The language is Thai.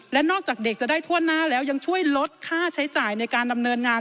และนอกจากเด็กจะได้ทั่วหน้าแล้วยังช่วยลดค่าใช้จ่ายในการดำเนินงาน